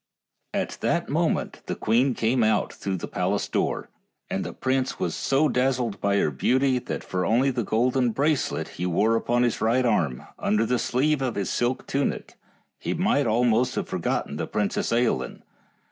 At that moment the queen came out through the palace door, and the prince was so dazzled by her beauty, that only for the golden bracelet he wore upon his right arm, under the sleeve of his silken tunic, he might almost have forgotten the Princess Ailinn.